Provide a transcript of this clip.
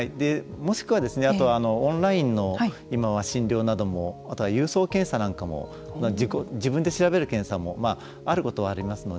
もしくは、あとオンラインの今は診療なども郵送検査なんかも自分で調べる検査もあることはありますので。